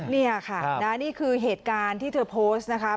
นี่ค่ะนี่คือเหตุการณ์ที่เธอโพสต์นะคะ